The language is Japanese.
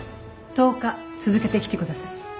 １０日続けて来てください。